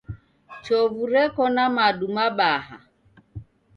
Chovu Reko na madu mabaha.